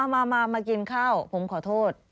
มากินข้าวผมขอโทษ